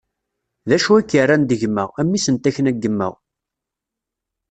D acu i k-irran d gma, a mmi-s n takna n yemma?